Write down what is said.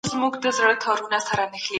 ولي د نورو د ښېګڼو یادول مثبتې اړیکي جوړوي؟